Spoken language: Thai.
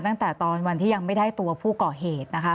ตั้งแต่ตอนวันที่ยังไม่ได้ตัวผู้ก่อเหตุนะคะ